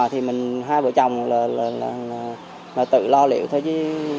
thì mình hai vợ chồng là tự lo liệu thôi chứ